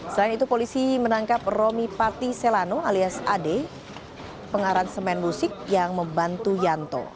selain itu polisi menangkap romi pati selano alias ade pengaran semen musik yang membantu yanto